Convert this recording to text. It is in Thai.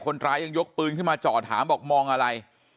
คนร้ายยังยกปืนที่มาจอดหาบอกมองอะไร